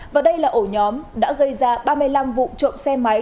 và đây là ổ nhóm đã gây ra ba mươi năm vụ trộm xe máy